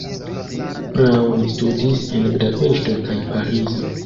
Braun studis en Budapeŝto kaj Parizo.